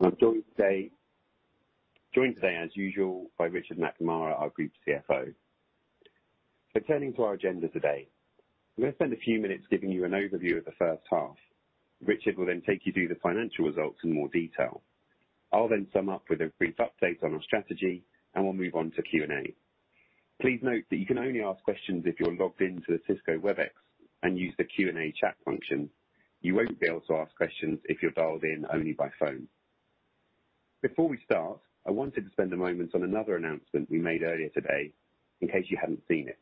I'm joined today, as usual, by Richard McNamara, our Group CFO. Turning to our agenda today, I'm gonna spend a few minutes giving you an overview of the first half. Richard will then take you through the financial results in more detail. I'll then sum up with a brief update on our strategy, and we'll move on to Q&A. Please note that you can only ask questions if you're logged in to the Cisco Webex and use the Q&A chat function. You won't be able to ask questions if you're dialed in only by phone. Before we start, I wanted to spend a moment on another announcement we made earlier today in case you haven't seen it.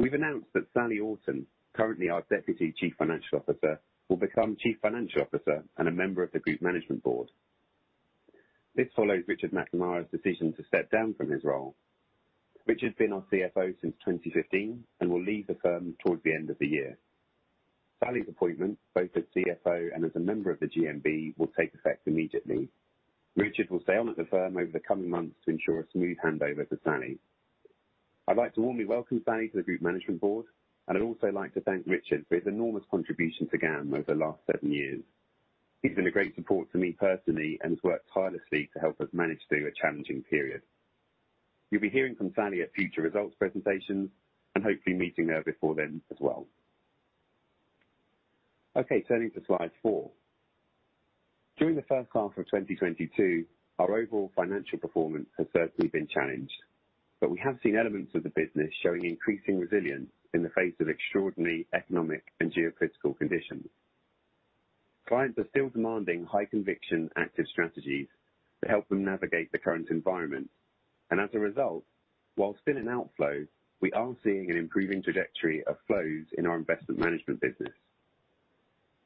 We've announced that Sally Orton, currently our Deputy Chief Financial Officer, will become Chief Financial Officer and a member of the Group Management Board. This follows Richard McNamara's decision to step down from his role. Richard's been our CFO since 2015 and will leave the firm towards the end of the year. Sally's appointment, both as CFO and as a member of the GMB, will take effect immediately. Richard will stay on at the firm over the coming months to ensure a smooth handover to Sally. I'd like to warmly welcome Sally to the Group Management Board, and I'd also like to thank Richard for his enormous contribution to GAM over the last seven years. He's been a great support to me personally and has worked tirelessly to help us manage through a challenging period. You'll be hearing from Sally at future results presentations and hopefully meeting her before then as well. Okay, turning to slide four. During the first half of 2022, our overall financial performance has certainly been challenged. We have seen elements of the business showing increasing resilience in the face of extraordinary economic and geopolitical conditions. Clients are still demanding high-conviction active strategies to help them navigate the current environment and as a result, while still an outflow, we are seeing an improving trajectory of flows in our investment management business.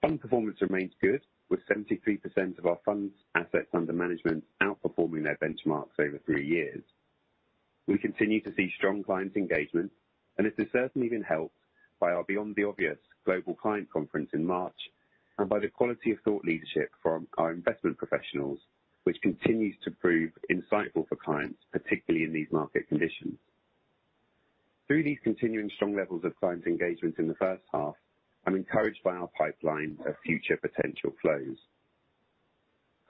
Fund performance remains good, with 73% of our funds assets under management outperforming their benchmarks over three years. We continue to see strong client engagement, and this has certainly been helped by our Beyond the Obvious global client conference in March, and by the quality of thought leadership from our investment professionals, which continues to prove insightful for clients, particularly in these market conditions. Through these continuing strong levels of client engagement in the first half, I'm encouraged by our pipeline of future potential flows.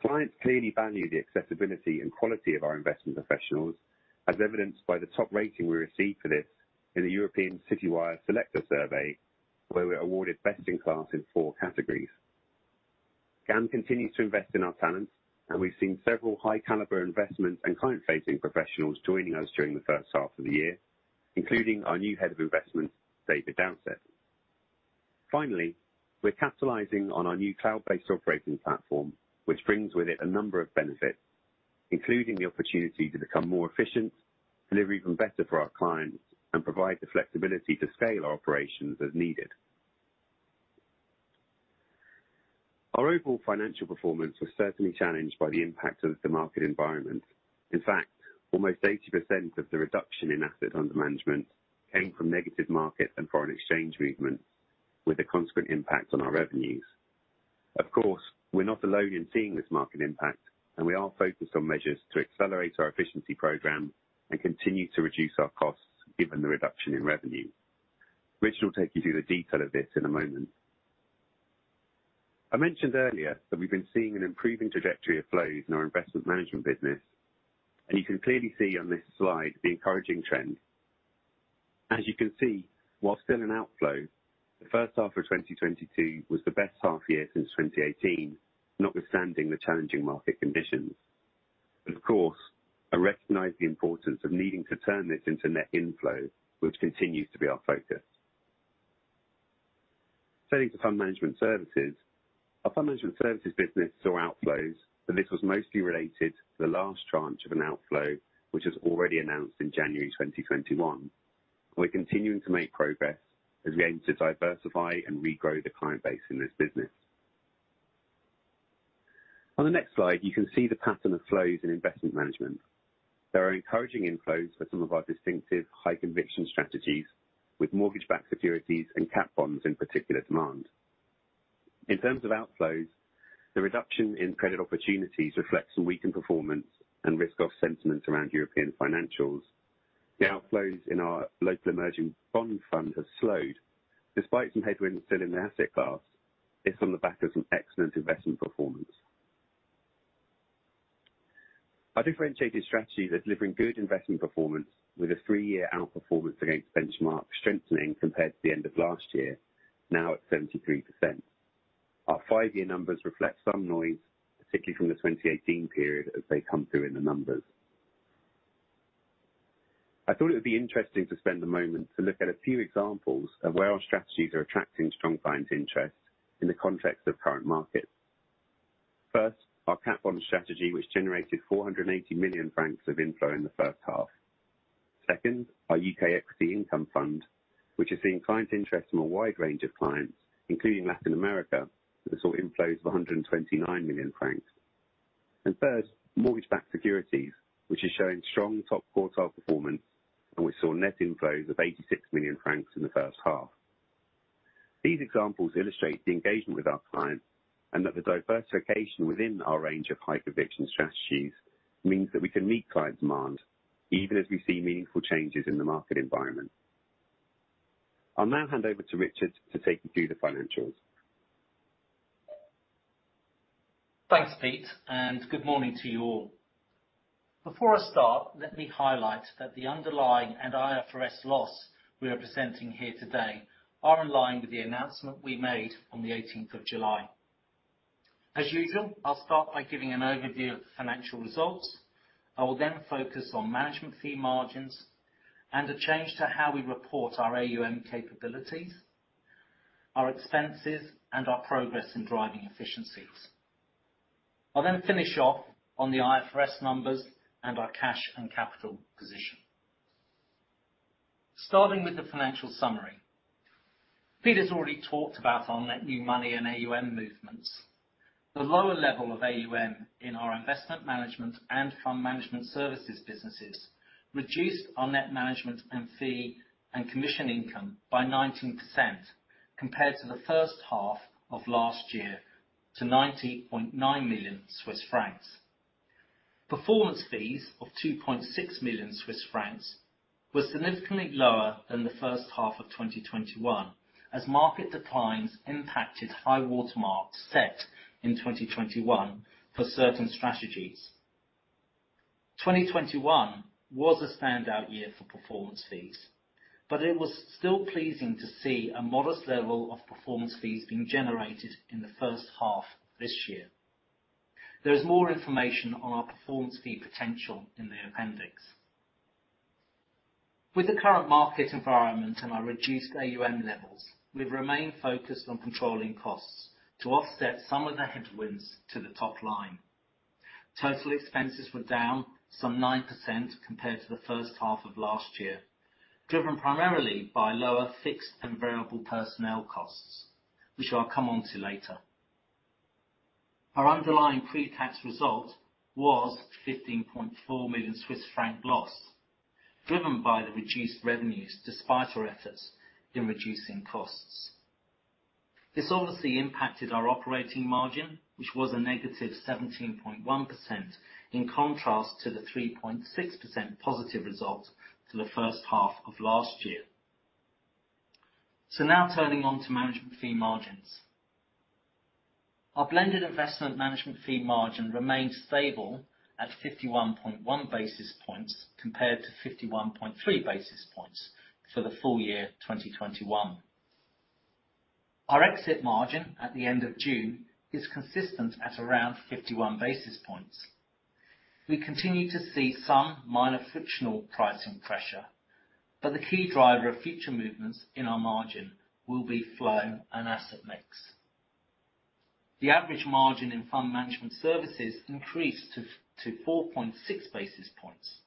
Clients clearly value the accessibility and quality of our investment professionals, as evidenced by the top rating we received for this in the European Citywire Selector survey, where we were awarded best in class in four categories. GAM continues to invest in our talents, and we've seen several high caliber investment and client-facing professionals joining us during the first half of the year, including our new Head of Investment, David Dowsett. Finally, we're capitalizing on our new cloud-based operating platform, which brings with it a number of benefits, including the opportunity to become more efficient, deliver even better for our clients, and provide the flexibility to scale our operations as needed. Our overall financial performance was certainly challenged by the impact of the market environment. In fact, almost 80% of the reduction in assets under management came from negative market and foreign exchange movements with a consequent impact on our revenues. Of course, we're not alone in seeing this market impact, and we are focused on measures to accelerate our efficiency program and continue to reduce our costs given the reduction in revenue. Richard will take you through the detail of this in a moment. I mentioned earlier that we've been seeing an improving trajectory of flows in our investment management business, and you can clearly see on this slide the encouraging trend. As you can see, while still an outflow, the first half of 2022 was the best half year since 2018, notwithstanding the challenging market conditions. Of course, I recognize the importance of needing to turn this into net inflow, which continues to be our focus. Turning to Fund Management Services. Our Fund Management Services business saw outflows, but this was mostly related to the last tranche of an outflow, which was already announced in January 2021. We're continuing to make progress as we aim to diversify and regrow the client base in this business. On the next slide, you can see the pattern of flows in investment management. There are encouraging inflows for some of our distinctive high conviction strategies with Mortgage-Backed Securities and cat bonds in particular demand. In terms of outflows, the reduction in Credit Opportunities reflects some weakened performance and risk-off sentiment around European financials. The outflows in our Local Emerging Bond Fund have slowed. Despite some headwinds still in the asset class, it's on the back of some excellent investment performance. Our differentiated strategy is delivering good investment performance with a three-year outperformance against benchmark strengthening compared to the end of last year, now at 73%. Our five-year numbers reflect some noise, particularly from the 2018 period as they come through in the numbers. I thought it would be interesting to spend a moment to look at a few examples of where our strategies are attracting strong client interest in the context of current markets. First, our cat bond strategy, which generated 480 million francs of inflow in the first half. Second, our U.K. Equity Income fund, which has seen client interest from a wide range of clients, including Latin America. This saw inflows of 129 million francs. Third, mortgage-backed securities, which is showing strong top quartile performance and which saw net inflows of 86 million francs in the first half. These examples illustrate the engagement with our clients and that the diversification within our range of high conviction strategies means that we can meet client demand even as we see meaningful changes in the market environment. I'll now hand over to Richard to take you through the financials. Thanks, Pete, and good morning to you all. Before I start, let me highlight that the underlying and IFRS loss we are presenting here today are in line with the announcement we made on the eighteenth of July. As usual, I'll start by giving an overview of the financial results. I will then focus on management fee margins and a change to how we report our AUM capabilities, our expenses, and our progress in driving efficiencies. I'll then finish off on the IFRS numbers and our cash and capital position. Starting with the financial summary. Peter's already talked about our net new money and AUM movements. The lower level of AUM in our investment management and fund management services businesses reduced our net management and fee and commission income by 19% compared to the first half of last year to 90.9 million Swiss francs. Performance fees of 2.6 million Swiss francs were significantly lower than the first half of 2021, as market declines impacted high-water marks set in 2021 for certain strategies. 2021 was a standout year for performance fees, but it was still pleasing to see a modest level of performance fees being generated in the first half of this year. There is more information on our performance fee potential in the appendix. With the current market environment and our reduced AUM levels, we've remained focused on controlling costs to offset some of the headwinds to the top line. Total expenses were down some 9% compared to the first half of last year, driven primarily by lower fixed and variable personnel costs, which I'll come on to later. Our underlying pretax result was 15.4 million Swiss franc loss, driven by the reduced revenues despite our efforts in reducing costs. This obviously impacted our operating margin, which was a -17.1%, in contrast to the +3.6% result for the first half of last year. Now turning on to management fee margins. Our blended investment management fee margin remained stable at 51.1 basis points compared to 51.3 basis points for the full year 2021. Our exit margin at the end of June is consistent at around 51 basis points. We continue to see some minor frictional pricing pressure, but the key driver of future movements in our margin will be flow and asset mix. The average margin in fund management services increased to 4.6 basis points.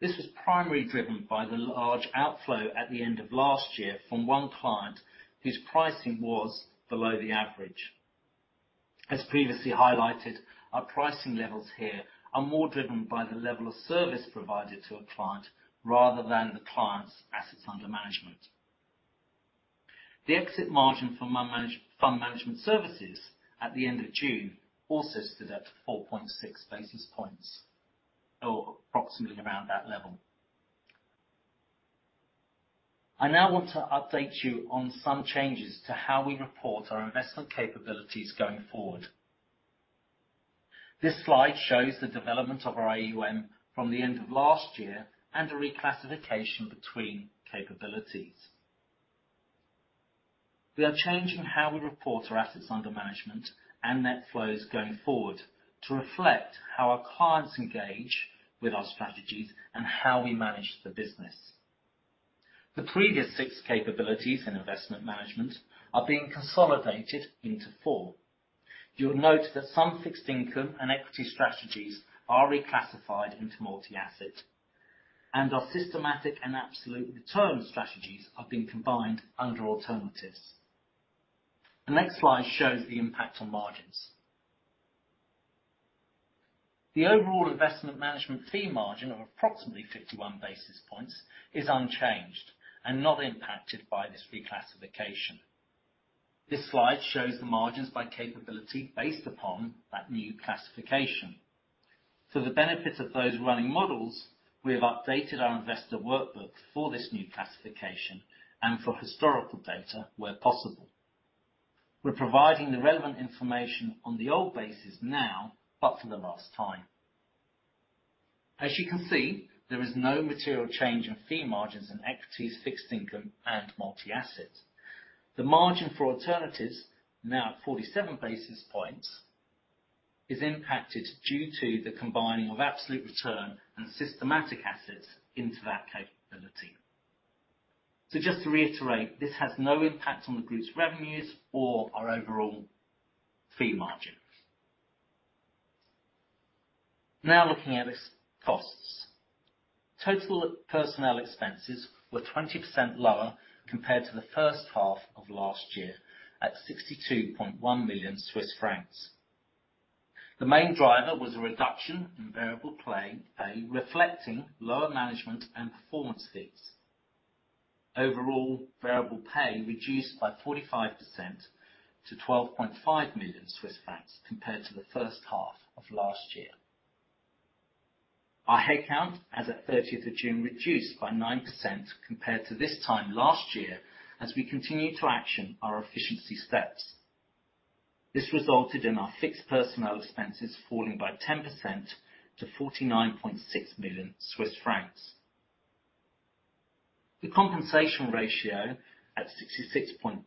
This was primarily driven by the large outflow at the end of last year from one client whose pricing was below the average. As previously highlighted, our pricing levels here are more driven by the level of service provided to a client rather than the client's assets under management. The exit margin from our fund management services at the end of June also stood at 4.6 basis points or approximately around that level. I now want to update you on some changes to how we report our investment capabilities going forward. This slide shows the development of our AuM from the end of last year and a reclassification between capabilities. We are changing how we report our assets under management and net flows going forward to reflect how our clients engage with our strategies and how we manage the business. The previous six capabilities in investment management are being consolidated into four. You'll note that some fixed income and equity strategies are reclassified into multi-asset, and our systematic and absolute return strategies are being combined under alternatives. The next slide shows the impact on margins. The overall investment management fee margin of approximately 51 basis points is unchanged and not impacted by this reclassification. This slide shows the margins by capability based upon that new classification. For the benefit of those running models, we have updated our investor workbook for this new classification and for historical data where possible. We're providing the relevant information on the old basis now, but for the last time. As you can see, there is no material change in fee margins in equities, fixed income, and multi-assets. The margin for alternatives, now at 47 basis points, is impacted due to the combining of absolute return and systematic assets into that capability. Just to reiterate, this has no impact on the group's revenues or our overall fee margins. Now looking at Opex costs. Total personnel expenses were 20% lower compared to the first half of last year at 62.1 million Swiss francs. The main driver was a reduction in variable pay reflecting lower management and performance fees. Overall, variable pay reduced by 45% to 12.5 million Swiss francs compared to the first half of last year. Our headcount as of June 30th reduced by 9% compared to this time last year as we continue to action our efficiency steps. This resulted in our fixed personnel expenses falling by 10% to 49.6 million Swiss francs. The compensation ratio at 66.4%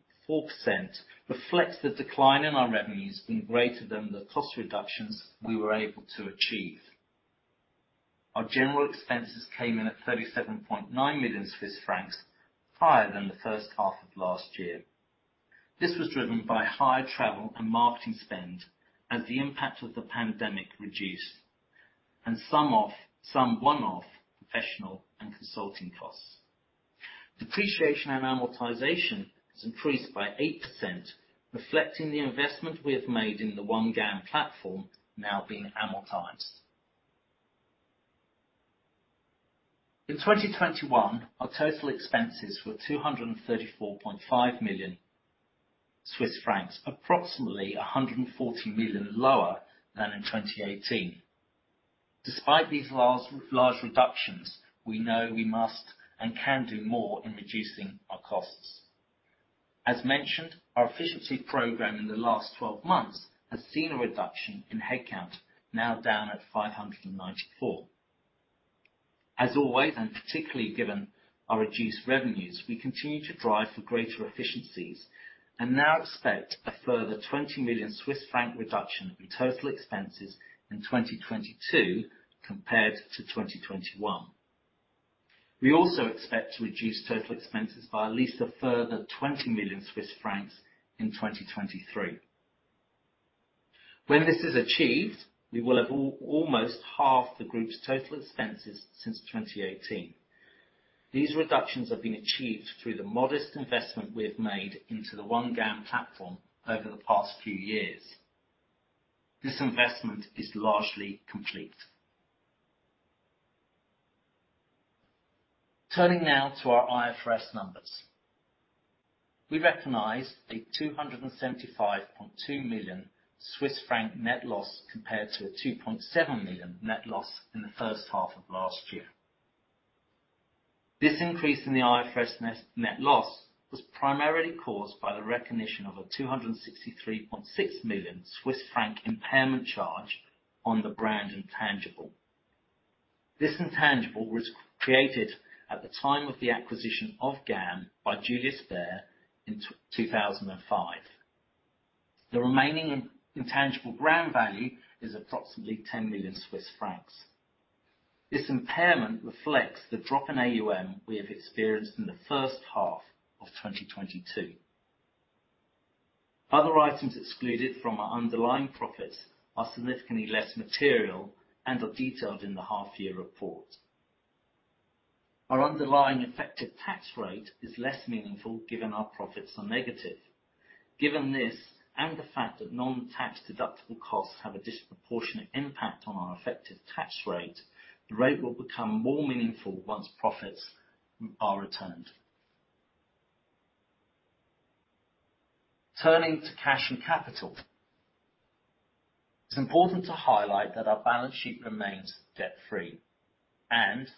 reflects the decline in our revenues being greater than the cost reductions we were able to achieve. Our general expenses came in at 37.9 million Swiss francs, higher than the first half of last year. This was driven by higher travel and marketing spend as the impact of the pandemic reduced, and some one-off professional and consulting costs. Depreciation and amortization has increased by 8%, reflecting the investment we have made in the One GAM platform now being amortized. In 2021, our total expenses were 234.5 million Swiss francs, approximately 140 million lower than in 2018. Despite these large reductions, we know we must and can do more in reducing our costs. As mentioned, our efficiency program in the last 12 months has seen a reduction in headcount, now down at 594. As always, and particularly given our reduced revenues, we continue to drive for greater efficiencies and now expect a further 20 million Swiss franc reduction in total expenses in 2022 compared to 2021. We also expect to reduce total expenses by at least a further 20 million Swiss francs in 2023. When this is achieved, we will have almost half the group's total expenses since 2018. These reductions have been achieved through the modest investment we have made into the One GAM platform over the past few years. This investment is largely complete. Turning now to our IFRS numbers. We recognized a 275.2 million Swiss franc net loss compared to a 2.7 million net loss in the first half of last year. This increase in the IFRS net loss was primarily caused by the recognition of a 263.6 million Swiss franc impairment charge on the brand intangible. This intangible was created at the time of the acquisition of GAM by Julius Baer in 2005. The remaining intangible brand value is approximately 10 million Swiss francs. This impairment reflects the drop in AUM we have experienced in the first half of 2022. Other items excluded from our underlying profits are significantly less material and are detailed in the half year report. Our underlying effective tax rate is less meaningful given our profits are negative. Given this, and the fact that non-tax deductible costs have a disproportionate impact on our effective tax rate, the rate will become more meaningful once profits are returned. Turning to cash and capital. It's important to highlight that our balance sheet remains debt-free, and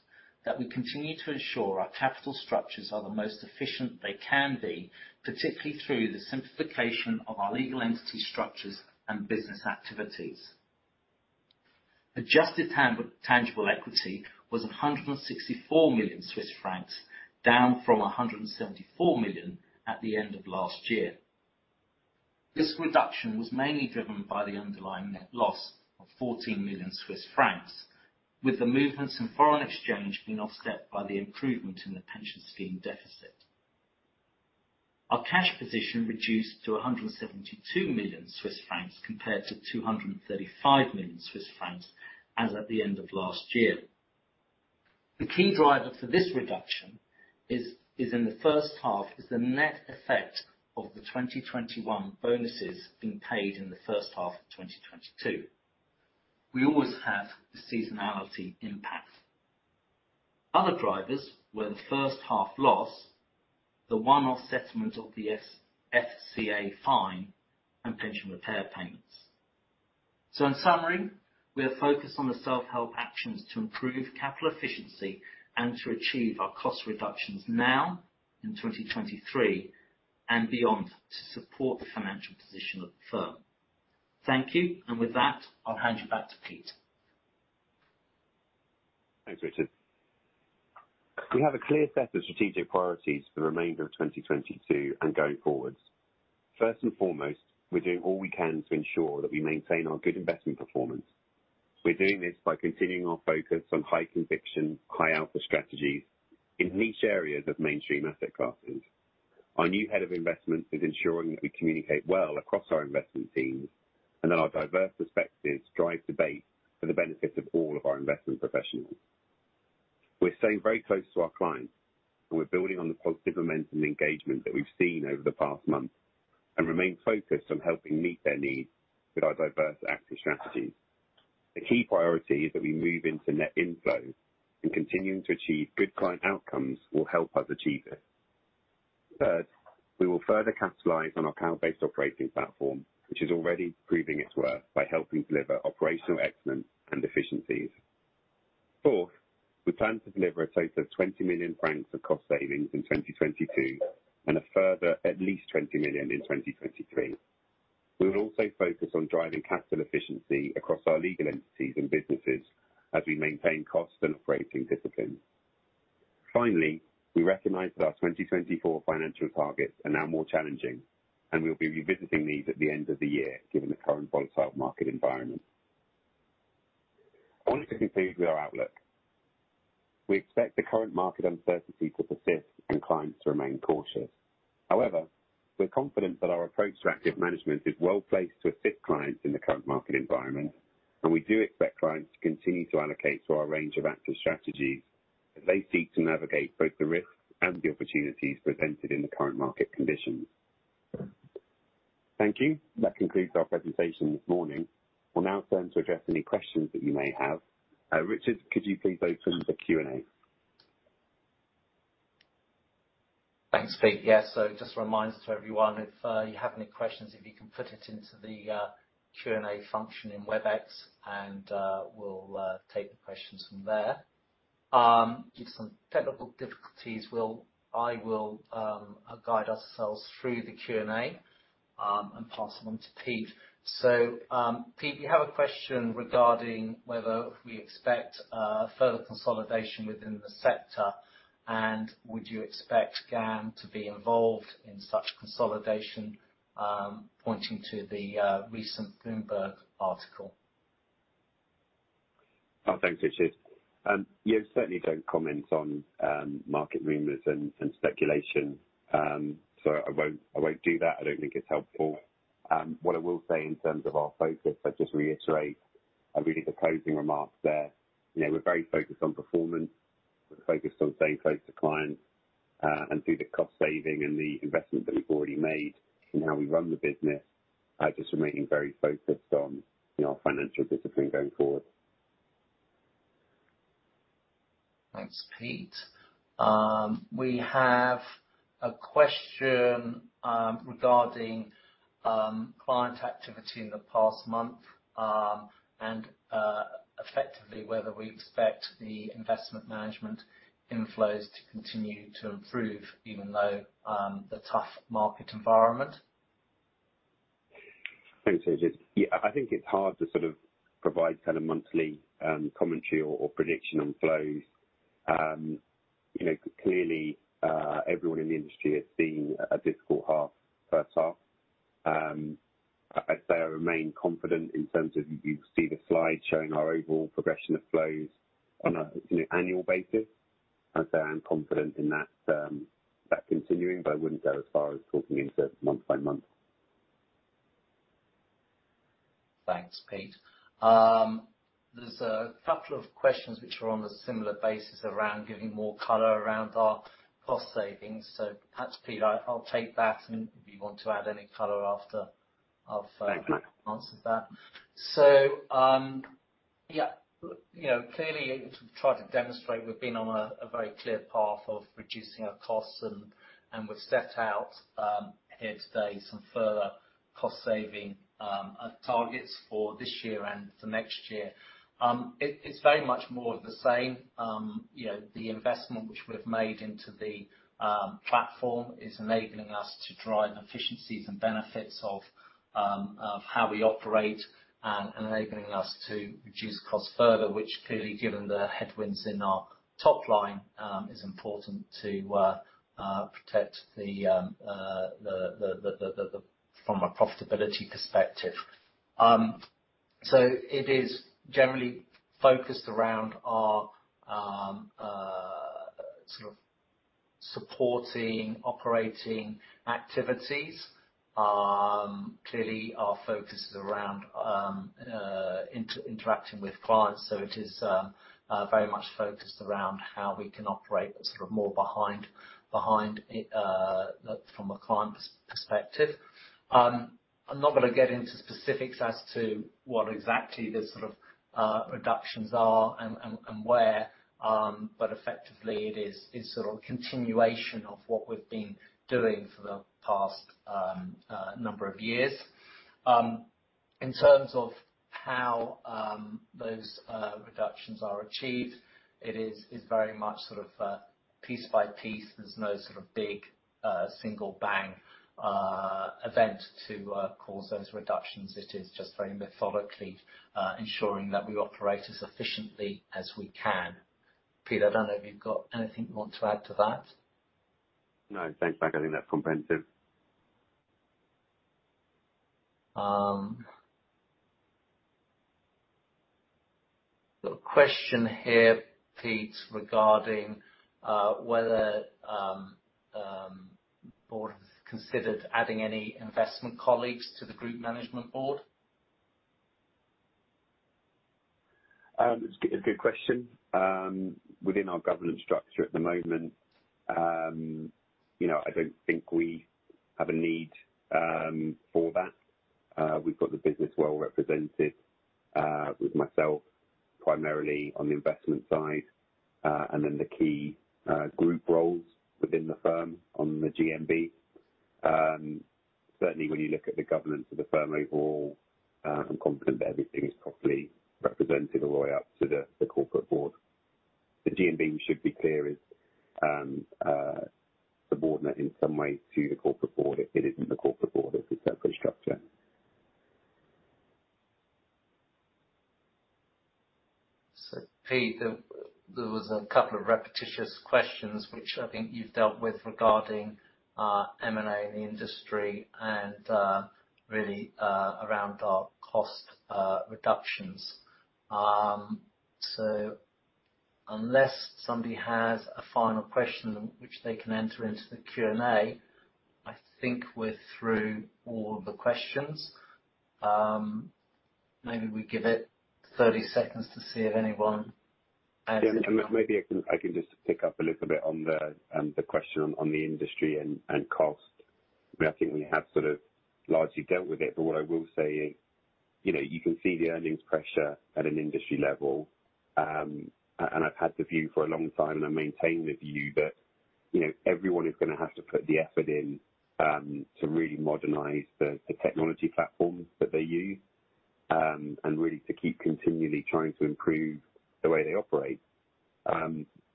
that we continue to ensure our capital structures are the most efficient they can be, particularly through the simplification of our legal entity structures and business activities. Adjusted tangible equity was 164 million Swiss francs, down from 174 million at the end of last year. This reduction was mainly driven by the underlying net loss of 14 million Swiss francs, with the movements in foreign exchange being offset by the improvement in the pension scheme deficit. Our cash position reduced to 172 million Swiss francs compared to 235 million Swiss francs as at the end of last year. The key driver for this reduction in the first half is the net effect of the 2021 bonuses being paid in the first half of 2022. We always have the seasonality impact. Other drivers were the first half loss, the one-off settlement of the FCA fine, and pension repair payments. In summary, we are focused on the self-help actions to improve capital efficiency and to achieve our cost reductions now in 2023 and beyond to support the financial position of the firm. Thank you. With that, I'll hand you back to Pete. Thanks, Richard. We have a clear set of strategic priorities for the remainder of 2022 and going forwards. First and foremost, we're doing all we can to ensure that we maintain our good investment performance. We're doing this by continuing our focus on high conviction, high alpha strategies in niche areas of mainstream asset classes. Our new head of investment is ensuring that we communicate well across our investment teams and that our diverse perspectives drive debate for the benefit of all of our investment professionals. We're staying very close to our clients, and we're building on the positive momentum and engagement that we've seen over the past month and remain focused on helping meet their needs with our diverse active strategies. The key priority is that we move into net inflows, and continuing to achieve good client outcomes will help us achieve this. Third, we will further capitalize on our cloud-based operating platform, which is already proving its worth by helping deliver operational excellence and efficiencies. Fourth, we plan to deliver a total of 20 million francs of cost savings in 2022, and a further at least 20 million in 2023. We'll also focus on driving capital efficiency across our legal entities and businesses as we maintain cost and operating discipline. Finally, we recognize that our 2024 financial targets are now more challenging, and we'll be revisiting these at the end of the year given the current volatile market environment. I want to conclude with our outlook. We expect the current market uncertainty to persist and clients to remain cautious. However, we're confident that our approach to active management is well-placed to assist clients in the current market environment, and we do expect clients to continue to allocate to our range of active strategies as they seek to navigate both the risks and the opportunities presented in the current market conditions. Thank you. That concludes our presentation this morning. We'll now turn to address any questions that you may have. Richard, could you please open the Q&A? Thanks, Pete. Yes. Just a reminder to everyone, if you have any questions, if you can put it into the Q&A function in WebEx, and we'll take the questions from there. Due to some technical difficulties, I will guide ourselves through the Q&A, and pass them on to Pete. Pete, we have a question regarding whether we expect further consolidation within the sector, and would you expect GAM to be involved in such consolidation, pointing to the recent Bloomberg article. Oh, thanks, Richard. Yeah, we certainly don't comment on market rumors and speculation. I won't do that. I don't think it's helpful. What I will say in terms of our focus, I'd just reiterate really the closing remarks there. You know, we're very focused on performance. We're focused on staying close to clients and through the cost saving and the investment that we've already made in how we run the business just remaining very focused on you know financial discipline going forward. Thanks, Pete. We have a question regarding client activity in the past month, and effectively whether we expect the investment management inflows to continue to improve even though the tough market environment. Thanks, Richard. Yeah, I think it's hard to sort of provide kind of monthly commentary or prediction on flows. You know, clearly, everyone in the industry has seen a difficult first half. I'd say I remain confident in terms of you see the slide showing our overall progression of flows on a annual basis. I'd say I'm confident in that continuing, but I wouldn't go as far as talking into month by month. Thanks, Pete. There's a couple of questions which are on a similar basis around giving more color around our cost savings. Perhaps, Pete, I'll take that and if you want to add any color after I've. Thank you. Answered that. Yeah, you know, clearly, as we've tried to demonstrate, we've been on a very clear path of reducing our costs and we've set out here today some further cost saving targets for this year and for next year. It's very much more of the same. You know, the investment which we've made into the platform is enabling us to drive efficiencies and benefits of how we operate and enabling us to reduce costs further, which clearly, given the headwinds in our top line, is important to protect the from a profitability perspective. It is generally focused around our sort of supporting operating activities. Clearly, our focus is around interacting with clients, so it is very much focused around how we can operate sort of more behind from a client perspective. I'm not gonna get into specifics as to what exactly the sort of reductions are and where, but effectively it is, it's sort of continuation of what we've been doing for the past number of years. In terms of how those reductions are achieved, it is, it's very much sort of piece by piece. There's no sort of big single bang event to cause those reductions. It is just very methodically ensuring that we operate as efficiently as we can. Pete, I don't know if you've got anything you want to add to that. No. Thanks, Richard. I think that's comprehensive. Got a question here, Pete, regarding whether the board has considered adding any investment colleagues to the Group Management Board. It's a good question. Within our governance structure at the moment, you know, I don't think we have a need for that. We've got the business well represented, with myself primarily on the investment side, and then the key group roles within the firm on the GMB. Certainly when you look at the governance of the firm overall, I'm confident that everything is properly represented all the way up to the corporate board. The GMB, we should be clear, is subordinate in some way to the corporate board. It is in the corporate board. It's a separate structure. Peter, there was a couple of repetitious questions which I think you've dealt with regarding M&A in the industry and really around our cost reductions. Unless somebody has a final question which they can enter into the Q&A, I think we're through all the questions. Maybe we give it 30 seconds to see if anyone adds anything. Yeah. Maybe I can just pick up a little bit on the question on the industry and cost. I think we have sort of largely dealt with it, but what I will say is, you know, you can see the earnings pressure at an industry level. I've had the view for a long time, and I maintain the view that, you know, everyone is gonna have to put the effort in, to really modernize the technology platforms that they use, and really to keep continually trying to improve the way they operate.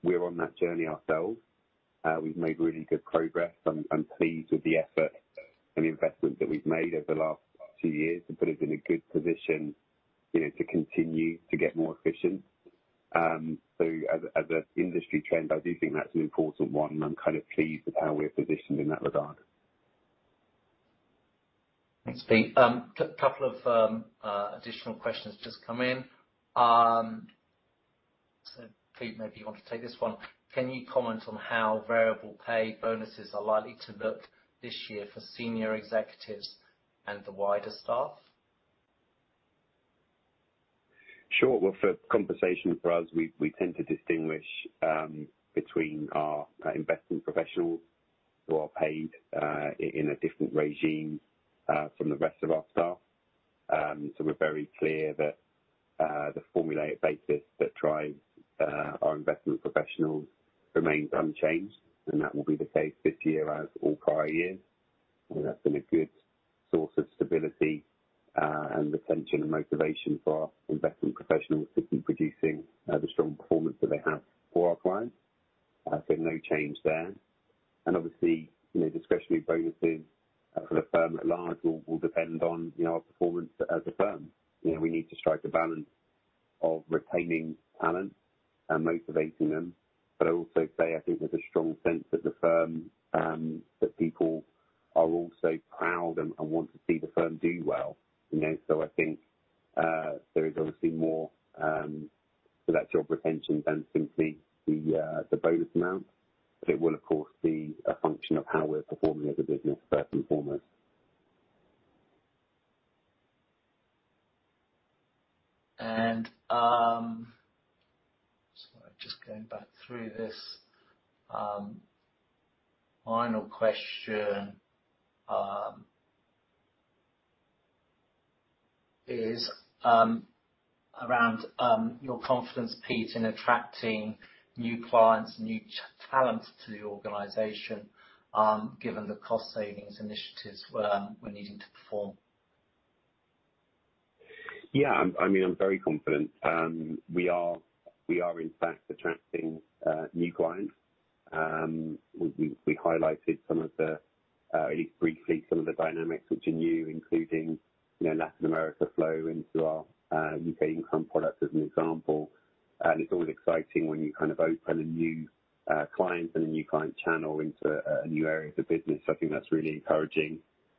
We're on that journey ourselves. We've made really good progress. I'm pleased with the effort and the investment that we've made over the last two years to put us in a good position, you know, to continue to get more efficient. As an industry trend, I do think that's an important one, and I'm kind of pleased with how we're positioned in that regard. Thanks, Pete. Couple of additional questions just come in. Pete, maybe you want to take this one. Can you comment on how variable pay bonuses are likely to look this year for senior executives and the wider staff? Sure. Well, for compensation for us, we tend to distinguish between our investment professionals who are paid in a different regime from the rest of our staff. We're very clear that the formulaic basis that drives our investment professionals remains unchanged, and that will be the case this year as all prior years. That's been a good source of stability and retention and motivation for our investment professionals to keep producing the strong performance that they have for our clients. No change there. Obviously, you know, discretionary bonuses for the firm at large will depend on, you know, our performance as a firm. You know, we need to strike a balance of retaining talent and motivating them. I will say, I think there's a strong sense that the firm, that people are also proud and want to see the firm do well, you know. I think, there is obviously more to that job retention than simply the bonus amount. It will, of course, be a function of how we're performing as a business first and foremost. Just going back through this. Final question is around your confidence, Pete, in attracting new clients, new talent to the organization, given the cost savings initiatives were needing to perform. Yeah. I mean, I'm very confident. We are in fact attracting new clients. We highlighted some of the dynamics at least briefly, which are new, including, you know, Latin America flow into our U.K. Equity Income as an example. It's always exciting when you kind of open a new client and a new client channel into a new area of the business. I think that's really encouraging,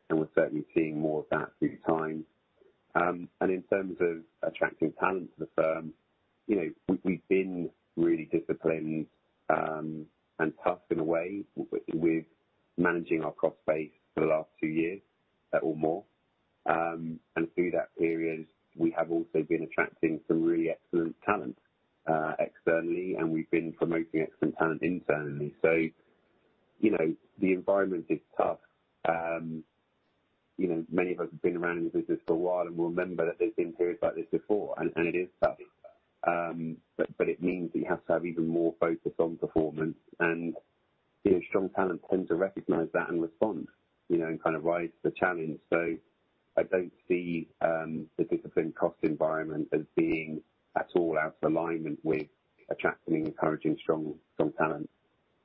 and we're certainly seeing more of that through time. In terms of attracting talent to the firm, you know, we've been really disciplined and tough in a way with managing our cost base for the last two years or more. Through that period, we have also been attracting some really excellent talent externally, and we've been promoting excellent talent internally. You know, the environment is tough. You know, many of us have been around the business for a while and will remember that there's been periods like this before. It is tough. It means that you have to have even more focus on performance. You know, strong talent tend to recognize that and respond, you know, and kind of rise to the challenge. I don't see the disciplined cost environment as being at all out of alignment with attracting and encouraging strong talent.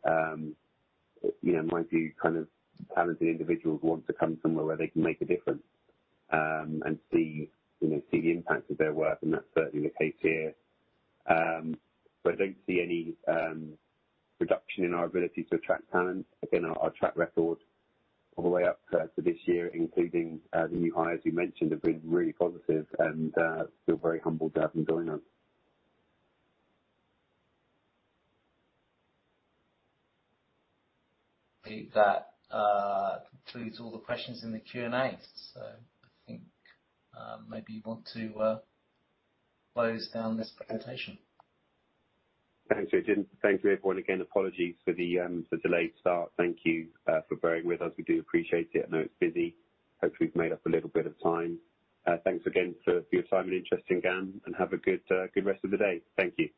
You know, my view, kind of talented individuals want to come somewhere where they can make a difference, and see the impact of their work, and that's certainly the case here. I don't see any reduction in our ability to attract talent. Again, our track record all the way up to this year, including the new hires you mentioned, have been really positive and feel very humbled to have them join us. Pete, that concludes all the questions in the Q&A. I think, maybe you want to close down this presentation. Thank you, [Eugene. Thank you, everyone. Again, apologies for the delayed start. Thank you for bearing with us. We do appreciate it. I know it's busy. Hopefully we've made up a little bit of time. Thanks again for your time and interest in GAM, and have a good rest of the day. Thank you.